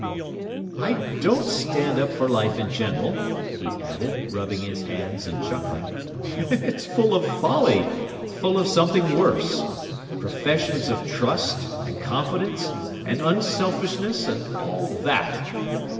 'I don't stand up for life in general,' he added, rubbing his hands and chuckling, 'it's full of folly; full of something worse. Professions of trust, and confidence, and unselfishness, and all that!